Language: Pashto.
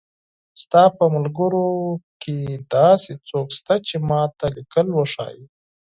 ستا په ملګرو کښې داسې څوک شته چې ما ته ليکل وښايي